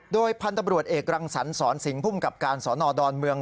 โดยพันธบรวจเอกรังสรรสิงห์ภูมิกับการสอนอดอนเมือง